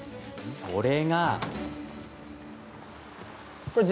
それが。